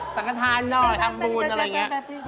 สังขทานหน่อยทำบุญอะไรอย่างนี้